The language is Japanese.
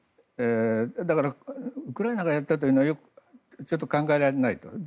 だから、ウクライナがやったというのはちょっと考えられないと。